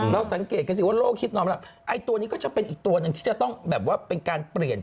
เราสังเกตกันสิว่าโลกคิดนอนแล้วไอ้ตัวนี้ก็จะเป็นอีกตัวหนึ่งที่จะต้องแบบว่าเป็นการเปลี่ยน